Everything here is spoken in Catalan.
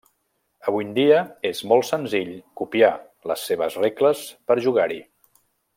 Avui en dia és molt senzill copiar les seves regles per jugar-hi.